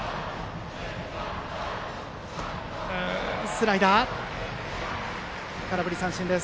スライダー、空振り三振。